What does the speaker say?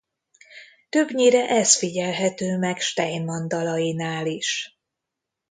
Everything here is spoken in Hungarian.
Többnyire ez figyelhető meg Steinman dalainál is.